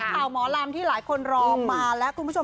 ข่าวหมอลำที่หลายคนรอมาแล้วคุณผู้ชม